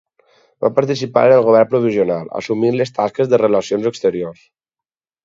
Va participar en el Govern provisional, assumint les tasques de Relacions Exteriors.